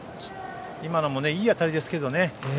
今のもいい当たりでしたけどね。